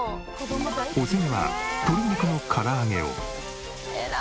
お次は鶏肉の唐揚げを。